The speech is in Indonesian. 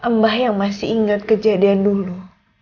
mbak yang masih inget kejadian dulu